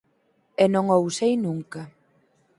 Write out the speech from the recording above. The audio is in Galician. E non o usei nunca.